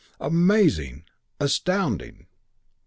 Amazing, astounding!'